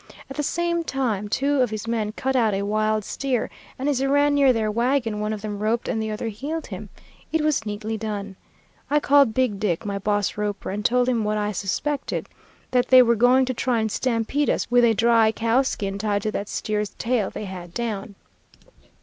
At the same time two of his men cut out a wild steer, and as he ran near their wagon one of them roped and the other heeled him. It was neatly done. I called Big Dick, my boss roper, and told him what I suspected, that they were going to try and stampede us with a dry cowskin tied to that steer's tail they had down.